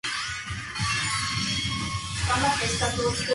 音の強調、リズム、発音の特徴など自分の特徴的な話し方で話す。